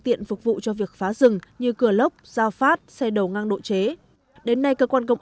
tiện phục vụ cho việc phá rừng như cửa lốc giao phát xe đầu ngang độ chế đến nay cơ quan công